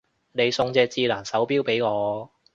你送隻智能手錶俾我